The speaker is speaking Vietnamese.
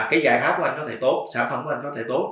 cái giải pháp của anh có thể tốt sản phẩm của anh có thể tốt